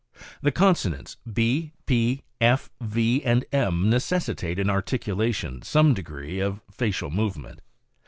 The consonants b, p, f v and m necessitate in articulation some degree of facial movement.